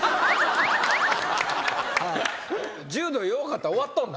柔道弱かったら終わっとんな。